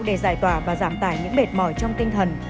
để giải tỏa và giảm tải những mệt mỏi trong tinh thần